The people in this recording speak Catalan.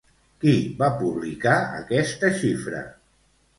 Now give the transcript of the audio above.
Qui va publicar aquesta xifra?